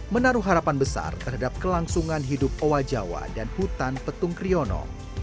menaruh harapan besar terhadap kelangsungan hidup owa jawa dan hutan petung kriono